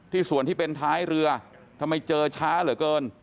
ส่วนที่เป็นท้ายเรือทำไมเจอช้าเหลือเกิน